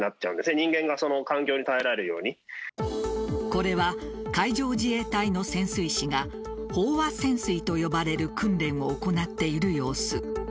これは、海上自衛隊の潜水士が飽和潜水と呼ばれる訓練を行っている様子。